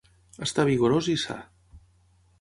Està vigorós i sa.